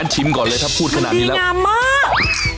ชิมก่อนเลยถ้าพูดขนาดนี้แล้วงามมาก